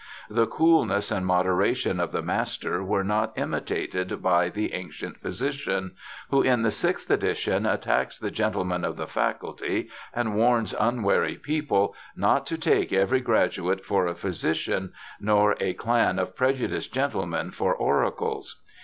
The cool ness and moderation of the Master were not imitated by the 'Ancient Physician', who in the sixth edition attacks the gentlemen of the faculty, and warns unwary people 'not to take every Graduate for a Physician, nor a clan of prejudiced Gentlemen for Oracles'.